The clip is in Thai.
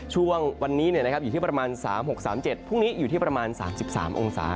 ช่วงวันนี้อยู่ที่ประมาณ๓๖๓๗พรุ่งนี้อยู่ที่ประมาณ๓๓องศา